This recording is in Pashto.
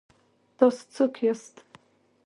تاسو څوک یاست؟